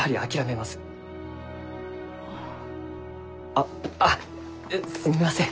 あっああすみません。